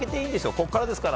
ここからですから。